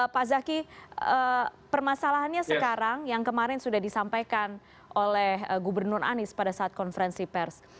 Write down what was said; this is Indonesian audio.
pak zaki permasalahannya sekarang yang kemarin sudah disampaikan oleh gubernur anies pada saat konferensi pers